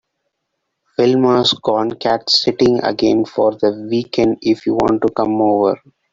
Wilma’s gone cat sitting again for the weekend if you want to come over.